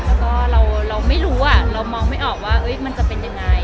แล้วก็เราเราไม่รู้อ่ะเรามองไม่ออกว่าเอ้ยมันจะเป็นยังไงอ่ะค่ะ